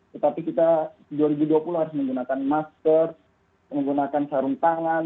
tetapi kita dua ribu dua puluh harus menggunakan masker menggunakan sarung tangan